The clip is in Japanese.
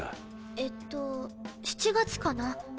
えっと７月かな。